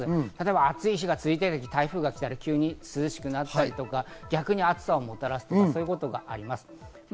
暑い日が続いているときに台風が来たら急に涼しくなったり、逆に暑さをもたらしたり、そういうことがあります。